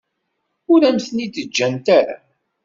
Ur am-ten-id-ǧǧant ara.